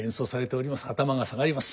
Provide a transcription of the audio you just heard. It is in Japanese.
頭が下がります。